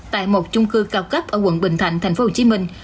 tại một chung cư cao cấp ở quận bình thạnh thành phố hồ chí minh